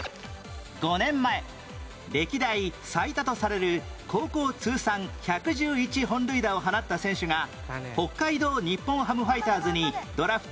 ５年前歴代最多とされる高校通算１１１本塁打を放った選手が北海道日本ハムファイターズにドラフト１位で入団